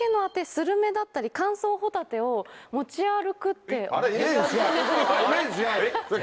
スルメだったり乾燥ホタテを持ち歩くって。